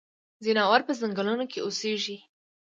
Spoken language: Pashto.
ځناور پۀ ځنګلونو کې اوسيږي.